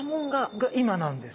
が今なんです。